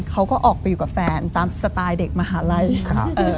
เขาก็ออกไปอยู่กับแฟนตามสไตล์เด็กมหาลัยครับ